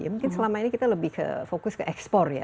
mungkin selama ini kita lebih ke fokus ke ekspor ya